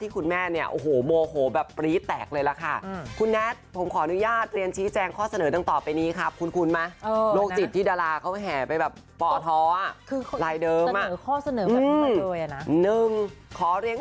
คือเขาเสนอข้อเสนอแบบนี้มาเกิดเลยอะนะ